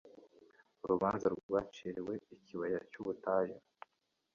urubanza rwaciriwe ikibaya cy ubutayu